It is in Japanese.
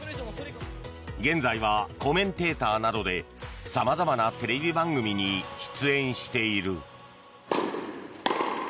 現在はコメンテーターなどで様々なテレビ番組に出演している。